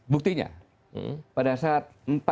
buktinya pada saat empat sebelas